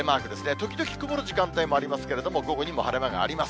時々曇る時間帯もありますけれども、午後にも晴れ間があります。